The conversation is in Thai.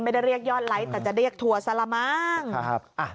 ไม่ได้เรียกยอดไลค์แต่จะเรียกทัวร์ซาละม้าง